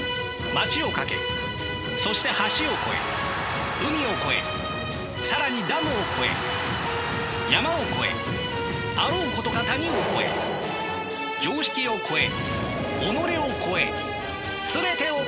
街を駆けそして橋を越え海を越え更にダムを越え山を越えあろうことか谷を越え常識を越え己を越え全てを越えて。